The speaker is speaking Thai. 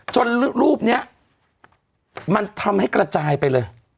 รูปนี้มันทำให้กระจายไปเลย